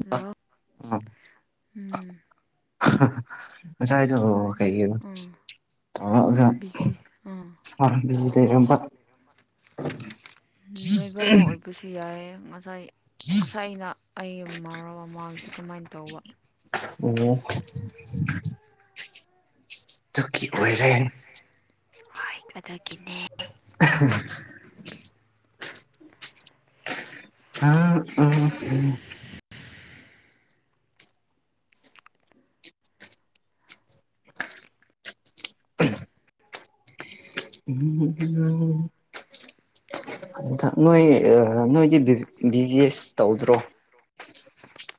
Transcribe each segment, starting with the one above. hello ꯎꯝ ꯑꯁꯥꯏꯗ ꯀꯩ ꯑꯝꯔꯝꯕ busy ꯑꯥ ꯅꯣꯏꯕꯧꯅ ꯑꯣꯏꯕꯁꯨ ꯌꯥꯏ ꯉꯁꯥꯏ ꯉꯁ ꯑꯩꯅ ꯑꯩꯒꯤ ꯃꯔ ꯃꯃꯥꯡꯁꯦ ꯑꯗꯨꯃꯥꯏꯅ ꯇꯧꯕ ꯑꯣ ꯇꯨ ꯀꯤ ꯑꯣꯏꯔꯦ ꯍꯣꯏ ꯑꯗꯨꯒꯤꯅꯦ [inaudible] [unintelligible] [inaudible] ꯎꯝ ꯅꯣꯏ ꯅꯣꯏꯗꯤ ꯚ ꯚꯑꯦꯁ ꯇꯧꯗ꯭ꯔꯣ [inaudible]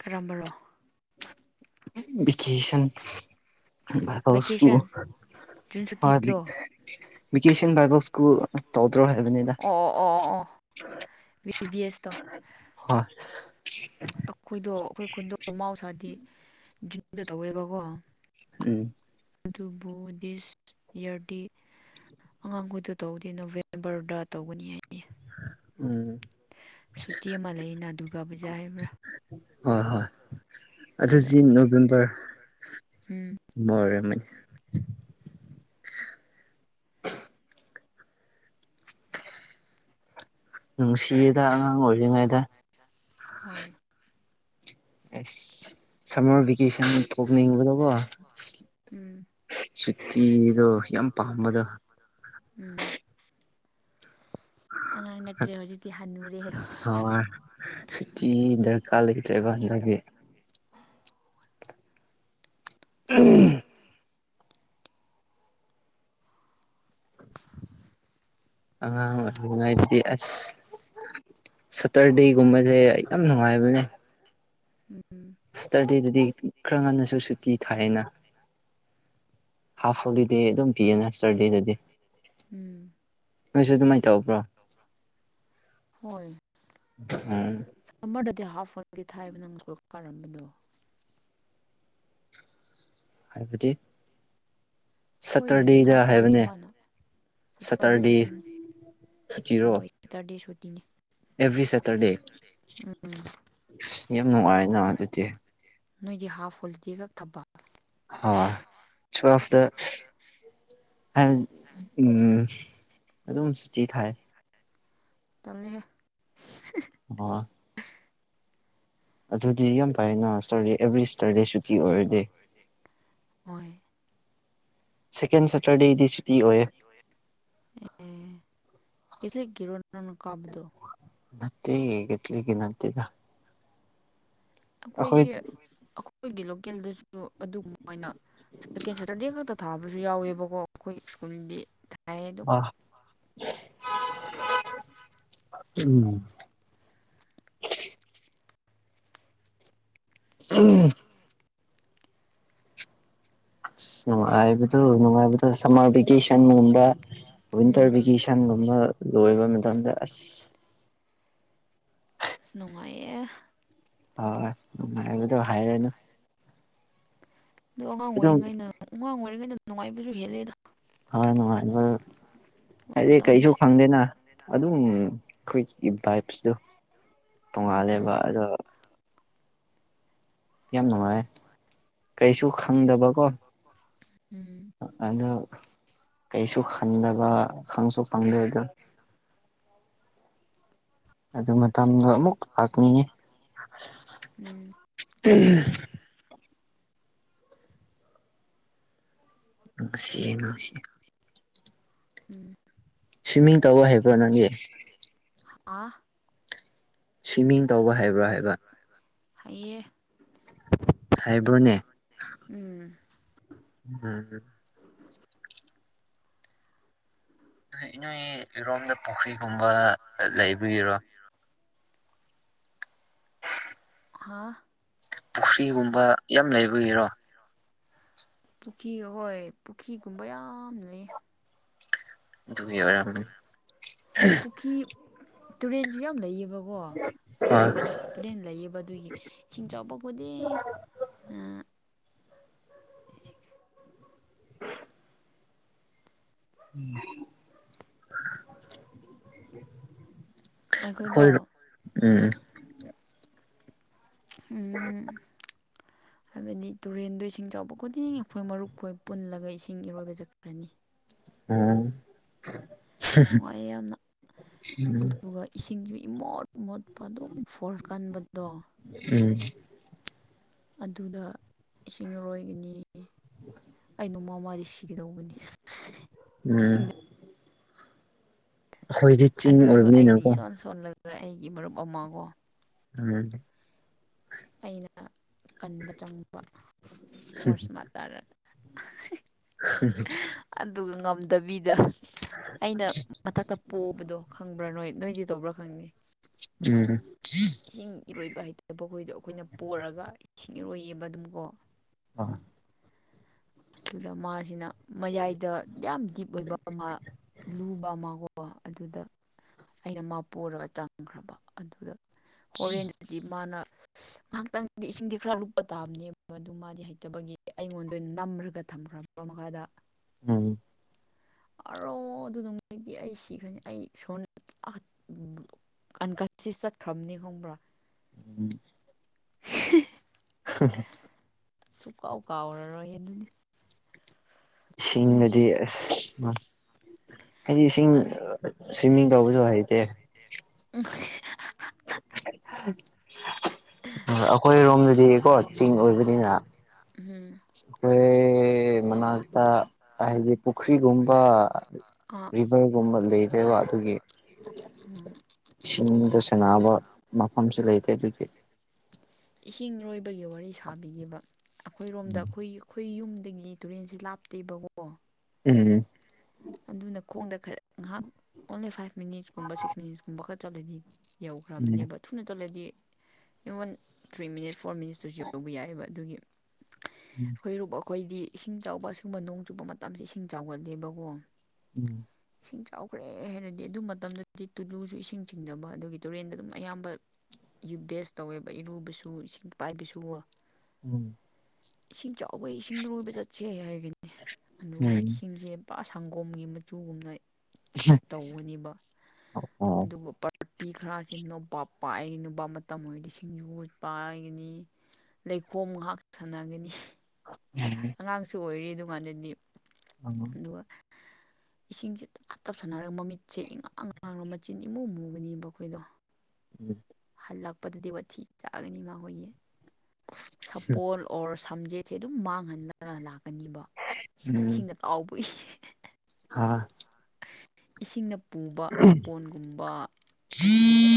ꯀꯔꯝꯕꯅꯣ ꯚꯀꯦꯁꯟ ꯚꯦꯀꯦꯁꯟ ꯖꯨꯟ ꯁꯨꯇꯤꯗꯣ ꯕꯥꯎꯁꯀꯦꯁꯟ ꯕꯥꯎꯁ ꯀꯨ ꯠꯇ꯭ꯔꯣ ꯍꯥꯏꯕꯅꯤꯗ ꯑꯣ ꯑꯣ ꯑꯣ ꯑꯣ ꯑꯣ ꯕꯤ ꯕꯤ ꯑꯦꯁꯇꯣ ꯍꯣꯏ ꯑꯩꯈꯣꯏꯗꯣ ꯑꯩꯈꯣꯏ ꯈꯨꯟꯗꯣ ꯃꯍꯎꯁꯥꯗꯤ ꯖꯨꯅꯨꯗ ꯇꯧꯋꯦꯕꯀꯣ ꯎꯝ ꯑꯗꯨꯕꯨ ꯗꯤꯁ ꯌꯔꯗꯤ ꯑꯉꯥꯡꯈꯣꯏꯗ ꯇꯧꯗꯦ ꯅꯣꯕꯦꯝꯕꯔꯗ ꯇꯧꯒꯅꯤ ꯍꯥꯏꯅꯤ ꯎꯝ ꯁꯨꯇꯤ ꯑꯃ ꯂꯩꯅ ꯗꯨꯔꯒꯥ ꯄꯨꯖꯥ ꯍꯥꯏꯕ꯭ꯔꯥ ꯑꯗꯨꯗ ꯑꯗꯨꯖꯤ ꯅꯣꯕꯦꯝꯕꯔ ꯎꯝ ꯑꯣꯏ ꯑꯣꯏꯔꯝ ꯑꯃꯅꯤꯅꯤ ꯅꯨꯡꯁꯤꯗ ꯑꯉꯥꯡ ꯑꯣꯏꯔꯤꯉꯩꯗ ꯍꯣꯏ ꯑꯦ ꯁꯔ ꯀꯦꯁꯟ ꯀꯣꯛ ꯅꯤꯡꯉꯕ ꯂꯕꯣ ꯎꯝ ꯁꯨꯇꯤꯗꯣ ꯌꯥꯝ ꯄꯥꯝꯕꯗꯣ ꯎꯝ ꯑꯉꯥꯡ ꯅꯠꯇ꯭ꯔꯦ ꯍꯧꯖꯤꯛꯇꯤ ꯍ ꯍ ꯁꯤꯇꯤ ꯗꯔꯀꯥꯔ ꯂꯩꯇ꯭ꯔꯦꯀꯥꯟꯗꯒꯤ ꯎꯝ ꯑꯉꯥꯡ ꯅꯨꯡꯉꯥꯏ ꯑꯗꯨꯗꯤ ꯑꯁ ꯇꯔꯗꯤꯦꯒꯨꯝꯕꯁꯦ ꯌꯥꯝ ꯅꯨꯡꯉꯥꯏꯕꯅꯦ ꯎꯝ ꯁꯇꯔꯗꯦꯗꯗꯤ ꯈꯔ ꯉꯟꯅꯁꯨ ꯁꯨꯇꯤ ꯊꯥꯏꯌꯦꯅ ꯍꯥꯞ ꯍꯣꯂꯤꯗꯦ ꯑꯗꯨꯝ ꯄꯤꯌꯦꯅ ꯁꯔꯗꯦꯗꯗꯤ ꯎꯝ ꯅꯣꯏꯁꯨ ꯑꯗꯨꯃꯥꯏꯅ ꯇꯧꯕ꯭ꯔꯣ ꯍꯣꯏ ꯎꯝ ꯑꯗꯨꯗꯤ ꯍꯥꯔꯠ ꯐꯣꯟꯗꯤ ꯊꯥꯏꯕꯅ ꯑꯃꯨꯛꯀꯣꯏ ꯀꯥꯔꯝꯕꯗꯣ ꯍꯥꯏꯕꯗꯤ ꯁꯇꯔꯗꯦꯗ ꯍꯥꯏꯕꯅꯦ ꯁꯔꯗꯤ ꯁꯇꯔꯗꯦ ꯁꯨꯇ ꯁꯔꯗꯤꯨꯇ ꯑꯦꯚ꯭ꯔꯤ ꯁꯦꯇꯔꯗꯦ ꯎꯝ ꯑꯁ ꯌꯥꯝ ꯅꯨꯡꯉꯥꯏꯔꯦꯅ ꯑꯗꯨꯗꯤ ꯅꯣꯏꯒꯤ ꯍꯥꯐ ꯍꯣꯂꯤꯗꯦꯒꯛ ꯊꯕ [inaudible] ꯑꯗꯨꯝ ꯆꯤ ꯊꯥꯏ ꯇꯜꯂꯤꯍꯦ ꯍ [inaudible] ꯑꯗꯨꯗꯤ ꯌꯥꯝ ꯐꯥꯏꯅ ꯁꯣꯔꯤ ꯑꯦꯕ꯭ꯔꯤ ꯁꯇꯔꯗꯦ ꯁꯨꯇꯤ ꯑꯣꯏꯔꯗꯤ ꯍꯣꯏ ꯁꯦꯀꯦꯟ ꯎ ꯁꯇꯔꯗꯦꯗꯤ ꯁꯨꯇꯤ ꯑꯣꯏꯌꯦ [unintelligible] ꯀꯊꯂꯤ ꯀꯔꯣꯅ ꯀꯞꯗ ꯅꯠꯇꯦ ꯌꯦꯒꯠ ꯂꯩꯒ ꯅꯠꯇꯦꯗ ꯑꯩꯈꯣꯏ ꯑꯩꯈꯣꯏꯁꯦ ꯑꯩꯈꯣꯏꯒꯤ ꯂꯣꯀꯦꯜꯗꯁꯨ ꯑꯗꯨꯒꯨꯝꯕ ꯑꯣꯏꯅ ꯁꯦꯀꯦꯟ ꯁꯦꯇꯔꯗꯦ ꯈꯛꯇ ꯊꯥꯕꯁꯨ ꯌꯥꯎꯋꯦꯕꯀꯣ ꯑꯩꯈꯣꯏꯒꯤ ꯁ꯭ꯀꯨꯜꯗꯤ ꯍ ꯑꯗꯨ ꯑ ꯎꯝ ꯎꯝ ꯑ ꯅꯨꯡꯉꯥꯏꯕꯗꯨ ꯅꯨꯡꯉꯥꯏꯕꯗꯣ ꯁꯝꯃꯔ ꯚꯦꯀꯦꯁꯟꯒꯨꯝꯕ ꯋꯤꯟꯇꯔ ꯎꯝ ꯚꯦꯀꯦꯁꯟꯒꯨꯝꯕ ꯑꯃ ꯂꯣꯏꯕ ꯃꯇꯝꯗ ꯑꯁ ꯅꯅꯨꯡꯉꯥꯏꯌꯦ ꯍꯣꯏꯥꯏꯕꯗ ꯍꯥꯏꯔꯅ ꯑꯗꯣ ꯑꯉꯥꯡ ꯑꯣꯏꯔꯤꯉꯩꯗ ꯑꯉꯥꯡ ꯑꯣꯏꯔꯤꯉꯩꯗ ꯅꯨꯡꯉꯥꯏꯕꯁꯨ ꯍꯦꯜꯂꯦꯗ ꯍꯣꯏ ꯅꯨꯡꯉꯥꯏ ꯍꯥꯏꯗꯤ ꯃꯇꯝꯁꯦ ꯀꯩꯁꯨ ꯈꯪꯗꯦꯅ ꯑꯗꯨꯝ ꯑꯩꯈꯣꯏꯒꯤ ꯕꯥꯏꯞꯁꯤꯗꯣ ꯎꯝ ꯇꯣꯡꯉꯥꯜꯂꯦꯕ ꯑꯗꯣ ꯌꯦꯅꯨꯡꯉꯅꯦ ꯀꯩꯁꯨ ꯈꯪꯗꯕꯀꯣ ꯎꯝ ꯑꯗꯣ ꯀꯩꯁꯨ ꯈꯪꯗꯕ ꯈꯪꯁꯨ ꯐꯪꯗꯦꯗꯣ ꯑꯗꯨ ꯃꯇꯝꯗꯣ ꯑꯃꯨꯛ ꯂꯥꯛꯅꯤꯡꯉꯤ ꯎꯝ ꯑꯦ [inaudible] ꯅꯨꯡꯁꯤꯦ ꯅꯨꯡꯁꯤꯦ ꯎꯝ ꯁ꯭ꯋꯤꯝꯃꯤꯡ ꯇꯧꯕ ꯍꯥꯏꯩꯕꯣ ꯅꯪꯒꯤ ꯑ ꯁ꯭ꯋꯤꯝꯃꯤꯡ ꯇꯧꯕ ꯍꯥꯏꯕ꯭ꯔꯥ ꯍꯥꯏꯕ ꯍꯥꯏꯑꯦ ꯍꯥꯏꯕ꯭ꯔꯣꯅꯦ ꯎꯝ ꯎꯝꯝ ꯏ ꯅꯣꯏ ꯏꯔꯣꯝꯗ ꯄꯨꯈ꯭ꯔꯤꯒꯨꯝꯕ ꯂꯩꯕꯤꯒꯤꯔꯣ ꯍꯥ ꯄꯨꯈ꯭ꯔꯤꯒꯨꯝꯕ ꯌꯥꯝ ꯂꯩꯕꯒꯤꯔꯣ ꯄꯨꯈ꯭ꯔꯤ ꯍꯍꯣꯏ ꯄꯨꯈ꯭ꯔꯤꯒꯨꯝꯕ ꯌꯥꯝ ꯂꯩ ꯑꯗꯨꯃꯤꯕꯔ ꯑꯃꯅꯤꯅꯤ ꯄꯨꯈ꯭ꯔꯤ ꯇꯨꯔꯦꯟꯁꯨ ꯌꯥꯝ ꯂꯩꯌꯦꯕꯀꯣ ꯐꯨꯔꯦꯟ ꯂꯩꯌꯦꯕ ꯑꯗꯨꯒꯤ ꯏꯁꯤꯡ ꯆꯥꯎꯕꯄꯗꯤ [unintelligible] [inaudible] ꯎꯝ ꯍꯣꯏꯔ ꯑꯩꯈꯣꯏꯗꯣ ꯎꯝ ꯎꯝ [unintelligible] [inaudible] ꯍꯥꯏꯕꯗꯤ ꯇꯨꯔꯦꯟꯗꯣ ꯏꯁꯤꯡ ꯆꯥꯎꯕ ꯈꯨꯗꯤꯡ ꯑꯩꯈꯣꯏ ꯃꯔꯨꯞꯈꯣꯏ ꯄꯨꯜꯂꯒ ꯏꯁꯤꯡ ꯏꯔꯣꯏꯕ ꯆꯠꯈ꯭ꯔꯅꯤ ꯑꯝ ꯅꯨꯡꯉꯥꯏꯌꯦ ꯌꯥꯝꯅ ꯑꯗꯨꯒ ꯏꯁꯤꯡꯁꯨ ꯏꯃꯣꯠ ꯃꯣꯠꯄ ꯑꯗꯨ ꯐꯣꯔ ꯀꯟꯕꯗꯣ ꯎꯝ ꯑꯗꯨꯗ ꯏꯁꯤꯡꯔꯣꯏꯒꯅꯤ ꯑꯩ ꯅꯣꯡꯃꯃꯗꯤ ꯁꯤꯤꯒꯗꯧꯕꯅꯤ ꯎꯝ ꯏꯁꯤꯡꯗ ꯍꯈꯣꯏꯖꯤꯠ ꯆꯤꯡ ꯑꯣꯏꯔꯕꯅꯤꯅꯀꯣ ꯑꯗꯨꯗ ꯑꯩꯒꯤ ꯃꯔꯨꯞ ꯑꯃꯒꯣ ꯑꯝ ꯑꯩꯅ ꯀꯟꯕ ꯆꯪꯕ ꯀꯣꯔꯁ ꯃꯥ ꯇꯥꯔ ꯎ ꯗꯕꯤꯗ ꯑꯩꯅ ꯃꯊꯛꯇ ꯄꯣꯛꯕꯗꯣ ꯈꯪꯕ꯭ꯔꯥ ꯅꯣꯏ ꯅꯣꯏꯁ ꯇꯧꯕ꯭ꯔꯥ ꯈꯪꯉꯦ ꯏꯁꯤꯡ ꯏꯔꯣꯏꯕ ꯍꯥꯏꯇꯈꯣꯏꯗꯣ ꯑꯩꯈꯣꯏꯅ ꯄꯔꯒ ꯏꯁꯤꯡ ꯏꯔꯣꯏꯌꯦꯕ ꯑꯗꯨꯝꯀꯣ ꯑ ꯑꯗꯨꯗ ꯃꯥꯁꯤꯅ ꯃꯌꯥꯏꯗ ꯌꯥꯝ ꯗꯤꯞ ꯑꯣꯏꯕ ꯑꯃ ꯂꯨꯕ ꯑꯃꯒ ꯀꯣ ꯑꯗꯨꯗ ꯑꯩꯅ ꯃꯥꯄꯣꯔꯒ ꯆꯪꯈ꯭ꯔꯕ ꯑꯗꯨꯗ ꯍꯣꯔꯦꯟꯗꯤ ꯃꯥꯅ ꯉꯥꯏꯍꯥꯛꯇꯪꯗꯤ ꯏꯁꯤꯡꯗꯤ ꯈꯔ ꯂꯨꯞꯄ ꯇꯥꯕꯅꯦꯕ ꯑꯗꯨ ꯃꯥꯗꯤ ꯍꯩꯇꯕꯒꯤ ꯑꯩꯉꯣꯟꯗ ꯅꯝꯈ ꯒ ꯊꯝꯈ꯭ꯔꯕ ꯃꯈꯥꯗ ꯎꯝ ꯑꯔꯣ ꯑꯗꯨ ꯅꯅꯨꯡꯗꯤ ꯑꯩ ꯁꯤꯈ꯭ꯔꯅꯤ ꯑꯩ ꯁꯣꯟ ꯑꯟꯀꯠꯁꯤ ꯆꯠꯈ꯭ꯔꯕꯅꯤ ꯈꯪꯕ꯭ꯔꯥ ꯎꯝ ꯍꯤ ꯍ ꯁꯨꯡ ꯀꯥꯎ ꯀꯥꯎꯔꯔꯣꯏ ꯑꯗꯨꯅꯤ ꯑꯁ ꯅꯨꯡꯁꯤ ꯁꯤꯡꯅꯗꯤ ꯑꯁ ꯍꯥꯏꯗꯤ ꯏꯁꯤꯡ ꯑ ꯁ꯭ꯋꯤꯃꯤꯡ ꯇꯧꯕꯁꯨ ꯍꯩꯇꯦ ꯎꯝ ꯑ ꯑꯩꯈꯣꯏꯔꯣꯝꯗꯗꯤꯀꯣ ꯆꯤꯡ ꯑꯣꯏꯕꯅꯤꯅ ꯎꯝ ꯑꯈꯣꯏ ꯃꯅꯥꯛꯇ ꯍꯥꯏꯗꯤ ꯄꯨꯈ꯭ꯔꯤꯒꯨꯝꯕ ꯑꯥ ꯔꯤꯚꯔꯒꯨꯝꯕ ꯂꯩꯗꯦꯕ ꯑꯗꯨꯒꯤ ꯎꯝ ꯁꯤꯁ ꯁꯅꯥꯕ ꯃꯐꯝꯁꯨ ꯂꯩꯇꯦ ꯑꯗꯨꯒꯤ ꯏꯁꯤꯡ ꯂꯣꯏꯕꯒꯤ ꯋꯥꯔꯤ ꯁꯥꯕꯤꯈꯤꯕ ꯑꯩꯈꯣꯏꯔꯣꯝꯗ ꯎꯝ ꯑꯩꯈꯣꯏ ꯑꯩꯈꯣꯏ ꯌꯨꯝꯗ ꯑꯗꯒꯤ ꯇꯨꯔꯦꯟꯁꯤ ꯂꯥꯞꯇꯦꯕꯀꯣ ꯎꯝ ꯑꯗꯨꯅ ꯈꯣꯡꯗ ꯈꯔ ꯉꯥꯏꯍꯥꯛ ꯑꯣꯡꯂꯤ ꯐꯥꯏꯚ ꯃꯤꯅꯤꯠꯁꯀꯨꯝꯕ ꯁꯤꯛꯁ ꯃꯤꯅꯤꯠꯁꯀꯨꯝꯕ ꯈꯔ ꯆꯠꯂꯣꯏꯅꯤ ꯌꯧꯈ꯭ꯔꯕꯅꯦꯕ ꯊꯨꯅ ꯊꯣꯜꯂꯗꯤ in one three minute for ꯃꯤꯅꯤꯁꯇꯔꯁꯨ ꯌꯧꯕ ꯌꯥꯏꯑꯕ ꯑꯗꯨꯒꯤ ꯑꯩꯈꯣꯏ ꯑꯩꯈꯣꯏꯗꯤ ꯏꯁꯤꯡ ꯆꯥꯎꯕ ꯁꯤꯒꯨꯝꯕ ꯅꯣꯡ ꯆꯨꯄ ꯃꯇꯝꯁꯦ ꯏꯁꯤꯡ ꯆꯥꯎꯒꯠꯂꯦꯕꯀꯣ ꯎꯝ ꯏꯁꯤꯡ ꯆꯥꯎꯈ꯭ꯔꯦ ꯍꯥꯏꯔꯗꯤ ꯑꯗꯨ ꯃꯇꯝꯗꯗꯤ ꯇꯨꯂꯨꯁꯨ ꯏꯁꯤꯡ ꯆꯤꯡꯗꯕ ꯑꯗꯨꯒꯤ ꯇꯨꯔꯦꯟꯗ ꯑꯗꯨꯝ ꯑꯌꯥꯝꯕ ꯌꯨꯝ ꯚꯦꯁ ꯇꯧꯋꯦꯕ ꯏꯔꯨꯕꯁꯨ ꯏꯁꯤꯡ ꯄꯥꯏꯕꯁꯨ ꯎꯝ ꯏꯁꯤꯡ ꯆꯥꯎꯕꯩ ꯏꯁꯤꯡ ꯂꯣꯏꯕ ꯆꯠꯁꯦ ꯍꯥꯏꯔꯒꯅꯤ ꯑꯗꯨꯒ ꯎꯝ ꯏꯁꯤꯡꯁꯦ ꯄ ꯁꯪꯒꯣꯝꯒꯤ ꯃꯆꯨꯒꯨꯝꯅ ꯇꯧꯒꯅꯦꯕ ꯑꯣ ꯑꯗꯨꯒ ꯄꯥꯔꯇꯤ ꯈꯔꯁꯤ ꯄ ꯑꯩꯒꯤ ꯅꯨꯄꯥ ꯃꯇꯝ ꯑꯣꯏꯔꯗꯤ ꯁꯤꯡꯖꯨꯠ ꯄ ꯑꯩꯒꯅꯤ ꯂꯩꯈꯣꯝ ꯉꯍꯥꯛ ꯁꯥꯟꯅꯒꯅꯤ ꯑꯉꯥꯡꯁꯨ ꯑꯣꯏꯔꯤ ꯑꯗꯨꯀꯥꯟꯗꯗꯤ ꯎꯝ ꯑꯗꯨꯒ ꯏꯁꯤꯡꯁꯦ ꯇꯞ ꯇꯞ ꯁꯥꯟꯅꯔꯒ ꯃꯃꯤꯠꯁꯦ ꯏꯉꯥꯡꯉꯥꯡ ꯆꯤꯟ ꯏꯃꯨ ꯃꯨꯕꯅꯦꯕ ꯑꯩꯈꯣꯏꯗꯣ ꯍꯜꯂꯛꯄꯗꯗꯤ ꯋꯥꯊꯤ ꯆꯥꯒꯅꯤ ꯃꯈꯣꯏꯒꯤ ꯁꯥꯄꯣꯜ ꯑꯣꯔ ꯁꯝꯖꯦꯠꯁꯦ ꯑꯗꯨꯝ ꯃꯥꯡꯍꯜꯂꯒ ꯂꯥꯛꯀꯅꯤꯕ ꯏꯁꯤꯡꯅ ꯇꯥꯎꯕꯏ ꯍꯥꯥ ꯏꯁꯤꯡꯅ ꯄꯨꯕ ꯁꯥꯄꯣꯟꯒꯨꯝꯕ ꯑꯗꯨꯒ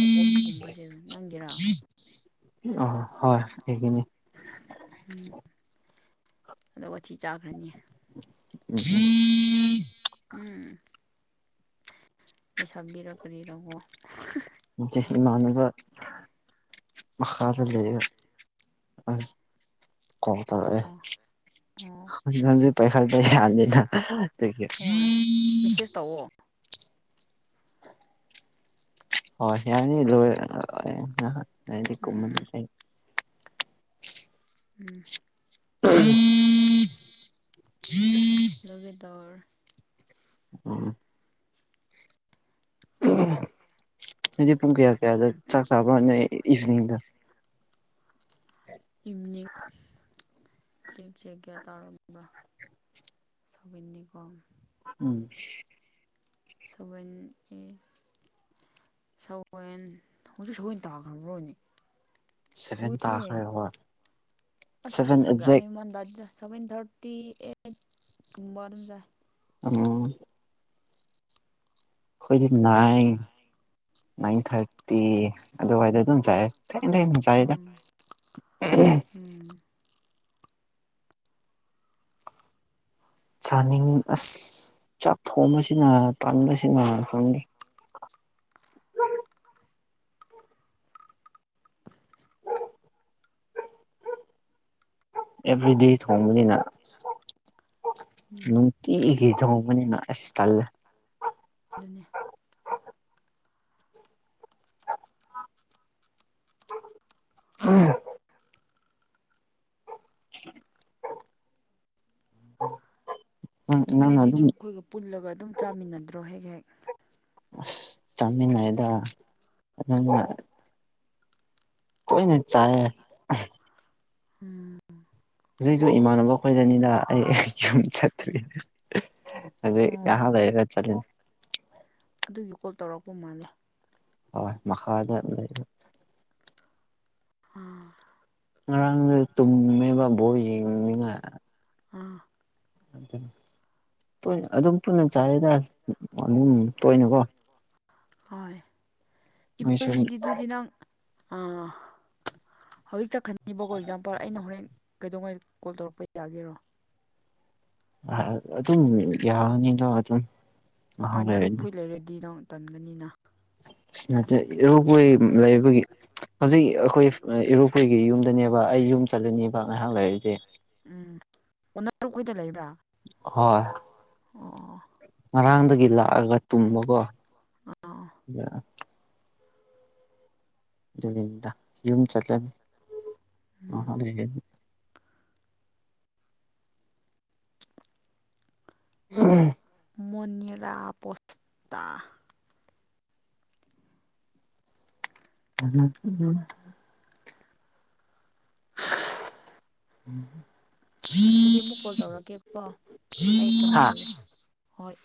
ꯀꯣꯝꯒꯨꯝꯕꯁꯦ ꯅꯪꯒꯤꯔꯥ ꯑ ꯍꯣꯏ ꯑꯩꯒꯤꯅꯤ ꯑꯗꯨꯒ [unintelligible] ꯂꯩꯁꯥꯕꯤꯔꯥ ꯀꯔꯤꯔꯀꯣ ꯅꯠꯇꯦ ꯏꯃꯥꯟꯅꯕ ꯥꯃꯈꯥꯗ ꯂꯩꯌꯦ ꯑꯁ ꯀꯣꯜ ꯇꯧꯔꯛ ꯑꯣ ꯑꯣ ꯑꯦ ꯍꯣꯏ [unintelligible] ꯃꯦꯁꯦꯁ ꯇꯧꯋꯣ ꯍꯣꯏ ꯌꯥꯔꯅꯤ ꯂꯣꯏꯔꯒ ꯍꯣꯔꯦꯟꯅ ꯅꯪꯗꯤ ꯎꯝ ꯎꯝ ꯎꯝ ꯀꯨꯝꯃꯨꯅꯦꯍꯦ ꯎꯝ [unintelligible] ꯂꯣꯏꯒꯗꯧꯔꯦ ꯎꯝ ꯅꯪꯗꯤ ꯄꯨꯡ ꯀꯌꯥ ꯀꯌꯥꯗ ꯆꯥꯛ ꯆꯥꯕ ꯅꯣꯏ ꯏꯚꯅꯤꯡꯗ ꯏꯚꯅꯤꯡ ꯆꯦꯛ ꯆꯦꯛ ꯀꯌꯥ ꯇꯧꯔꯕ ꯕ꯭ꯔ ꯁꯕꯦꯟꯅꯤꯀꯣ ꯎꯝ ꯁꯋꯦꯟ ꯑꯦ ꯁꯋꯦꯟ ꯍꯨꯖꯤꯛ ꯁꯋꯦꯟ ꯇꯥꯒ꯭ꯔꯕ꯭ꯔꯣꯅꯦ ꯁꯚꯦꯟ ꯇꯥꯈ꯭ꯔꯦꯕ ꯑꯁ ꯁꯚꯦꯟ ꯒ꯭ꯌꯥꯟ ꯑꯦꯛꯖꯦꯛ ꯃꯦꯟ ꯇꯥꯗꯦꯗ ꯁꯚꯦꯟ ꯊꯥꯔꯇꯤ ꯑꯦꯠꯀꯨꯝꯕ ꯑꯗꯨꯝ ꯆꯥꯥꯏ ꯑꯣ ꯑꯩꯈꯣꯏꯗꯤ ꯅꯥꯏꯟ ꯅꯥꯏꯟ ꯊꯥꯔꯇꯤ ꯑꯗꯨꯋꯥꯏꯗ ꯑꯗꯨꯝ ꯆꯥꯏꯌꯦ ꯎꯝ [unintelligible] ꯎꯝ ꯆꯥꯅꯤꯡ ꯑꯁ ꯆꯥꯛ ꯊꯣꯡꯕꯁꯤꯅ ꯇꯟꯕꯁꯤꯅ ꯈꯪꯗꯦ ꯑꯦꯕ꯭ꯔꯤꯗꯦ ꯊꯣꯡꯕꯅꯤꯅ ꯎꯝ ꯅꯨꯡꯇꯤꯒꯤ ꯊꯣꯡ ꯅꯪꯅ ꯑꯁ ꯇꯜꯂꯦ ꯇꯜꯂꯦ ꯑꯗꯨꯅꯦ ꯎꯝ [inaudible] ꯅꯪ ꯅꯪꯅ ꯅꯣꯏꯗꯤ ꯑꯗꯨꯝ ꯅꯔꯨꯞꯈꯣꯏꯒ ꯄꯨꯜꯂꯒ ꯑꯗꯨꯝ ꯆꯥꯃꯤꯟꯅꯗ꯭ꯔꯣ ꯍꯦꯛ ꯍꯦꯛ ꯑꯁ ꯆꯥꯃꯤꯟꯅꯩꯗ ꯑꯗꯨꯅ ꯇꯣꯏꯅ ꯆꯥꯌꯦ ꯎꯝ ꯍꯨꯖꯤꯛꯁꯨ ꯏꯃꯥꯟꯅꯕ ꯈꯣꯏꯗꯅꯤꯅ ꯑꯩ ꯌꯨꯝ ꯆꯠꯇ꯭ꯔꯤ ꯑꯗꯨꯏ ꯉꯍꯥꯛ ꯑꯣ ꯂꯩꯔꯒ ꯆꯠꯂꯅꯤ ꯑꯗꯨꯒꯤ ꯀꯣꯜ ꯇꯧꯔꯛꯄ ꯃꯥꯜꯂꯦ ꯍꯣꯏ ꯃꯈꯥꯗ ꯂꯩꯌꯦ ꯑꯥ ꯉꯟꯅ ꯇꯨꯝꯅꯤꯡꯉꯦꯕ ꯕꯣꯜ ꯌꯦꯡꯕꯅꯤꯅ ꯑꯥ ꯑꯗꯨꯅꯦ ꯇꯣꯏꯅ ꯑꯗꯨꯝ ꯄꯨꯟꯅ ꯆꯥꯏꯌꯦꯗ ꯑꯗꯨꯝ ꯇꯣꯏꯅꯀꯣ ꯍꯣꯏ ꯅꯣꯏꯁꯨ ꯏꯕꯟꯅꯤꯒꯤꯗꯨꯗꯤ ꯅꯪ ꯑꯥ ꯍꯧꯖꯤꯛ ꯆꯠꯈꯟꯉꯕꯀꯣ ꯑꯦꯛꯖꯥꯝꯄꯜ ꯑꯩꯅ ꯍꯣꯔꯦꯟ ꯀꯩꯗꯧꯉꯩꯗ ꯀꯣꯜ ꯇꯧꯔꯛꯄ ꯌꯥꯒꯦꯔꯣ ꯑꯗꯨꯝ ꯌꯥꯅꯤꯗꯣ ꯑꯗꯨꯝ ꯍꯣꯏ ꯅꯔꯨꯛ ꯐꯨꯏ ꯂꯩꯔꯗꯤ ꯅꯪ ꯇꯟꯒꯅꯤꯅ ꯅꯠꯇꯦꯔꯨ ꯀꯣꯏ ꯂꯩꯕꯒꯤ ꯍꯧꯖꯤꯛ ꯑꯩꯈꯣꯏ ꯏꯔꯨꯄꯣꯏꯒꯤ ꯌꯨꯝꯗꯅꯦꯕ ꯑꯩ ꯌꯨꯝ ꯆꯠꯂꯅꯦꯕ ꯉꯥꯏꯍꯥꯛ ꯂꯩꯔꯛꯏꯁꯦ ꯎꯝ ꯑꯣꯟꯅ ꯇꯔꯨꯛꯈꯨꯏꯗ ꯂꯩꯕ꯭ꯔꯥ ꯍꯣꯏ ꯑ ꯉꯔꯥꯡꯗꯒꯤ ꯂꯥꯛꯑꯒ ꯇꯨꯝꯕꯀꯣ ꯑꯣ ꯑꯥ ꯑꯗꯨꯗ ꯌꯨꯝ ꯆꯠꯅꯤ ꯎꯝ ꯎꯝ ꯃꯅꯤꯔꯥ ꯄꯁꯇꯥ ꯎꯝ ꯎꯝ ꯑꯗꯨꯗꯤ ꯑꯃꯨꯛ ꯀꯣꯜ ꯇꯧꯔꯛꯀꯦꯀꯣ ꯑꯩ ꯀꯃ ꯍꯥ ꯇꯧꯒꯦ ꯍꯣꯏ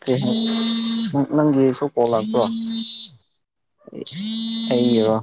ꯅꯪꯒꯤ ꯁꯣ ꯀꯣꯜ ꯂꯥꯛꯇ꯭ꯔꯣ ꯑ ꯋꯥ